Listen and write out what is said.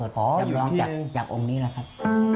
อ๋ออยู่ที่นี่จำลองจากองค์นี้ล่ะครับ